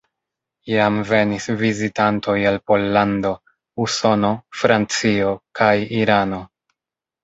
Jam venis vizitantoj el Pollando, Usono, Francio kaj Irano.